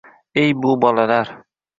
Ey, bu bolalar